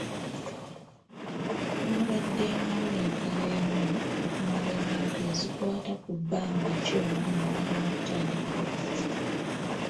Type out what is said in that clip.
Wabaddengawo enkaayana okumala emyaka ezikwata ku bbanga ki omwana w’alina okutandikira okusoma.